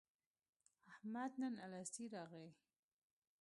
احمد نن الستی راغی.